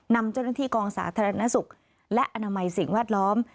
นำเจ้าหน้าที่กองสาธารณสุขและอนามัยสิ่งแวดล้อม